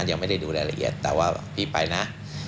ยังไม่ได้ดูรายละเอียดแต่ว่าพี่ไปนะ